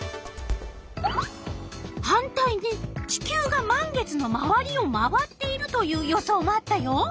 反対に地球が満月のまわりを回っているという予想もあったよ。